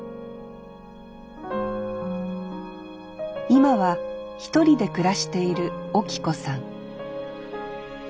今は一人で暮らしているオキ子さん